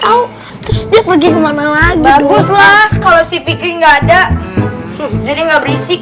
ada dong terus dia pergi kemana lagi baguslah kalau sih fikri enggak ada jadi enggak berisik